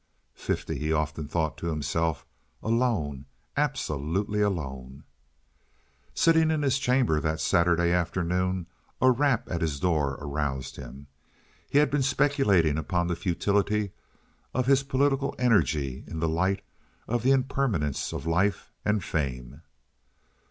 "Fifty!" he often thought to himself. "Alone—absolutely alone." Sitting in his chamber that Saturday afternoon, a rap at his door aroused him. He had been speculating upon the futility of his political energy in the light of the impermanence of life and fame.